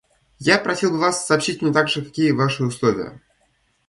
Я просил бы вас сообщить мне также, какие ваши условия.